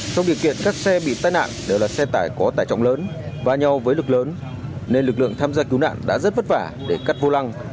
kỷ kiện các xe bị tai nạn đều là xe tài có tài trọng lớn và nhau với lực lớn nên lực lượng tham gia cứu nạn đã rất vất vả để cắt vô lăng